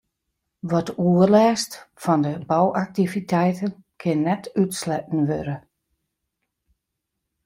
Wat oerlêst fan 'e bouaktiviteiten kin net útsletten wurde.